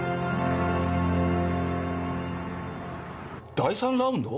第３ラウンド？